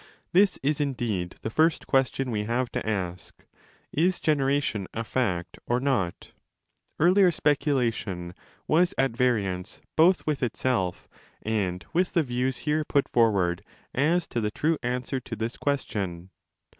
This is indeed the first question we have to ask: is generation a fact or not? Earlier speculation was at variance both with itself and with the views here put for 15 ward as to the true answer to this question.